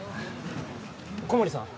小森さん